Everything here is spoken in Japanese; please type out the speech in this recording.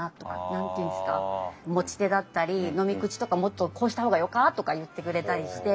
何て言うんですか持ち手だったり飲み口とかもっとこうした方がよか？とか言ってくれたりして。